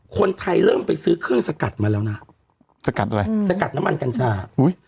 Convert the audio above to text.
คนไทยเริ่มไปซื้อเครื่องสกัดมาแล้วนะสกัดอะไรสกัดน้ำมันกัญชาอุ้ย